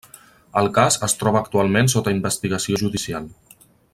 El cas es troba actualment sota investigació judicial.